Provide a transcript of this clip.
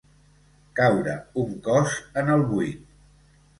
Caure un cos en el buit.